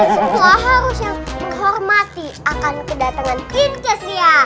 semua harus yang menghormati akan kedatangan inkes ya